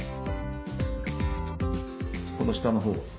この下のほうは？